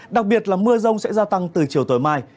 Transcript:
đặc biệt là mưa rông sẽ gia tăng từ chiều tối mai